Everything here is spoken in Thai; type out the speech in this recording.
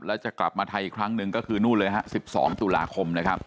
แล้วจะกลับมาไทยอีกครั้งหนึ่งก็คือนู่นเลยฮะ๑๒ตุลาคมนะครับ